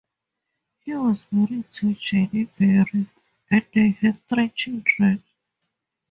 He was married to Jennie Barry and they had three children.